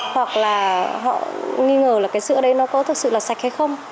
hoặc là họ nghi ngờ là cái sữa đấy nó có thực sự là sạch hay không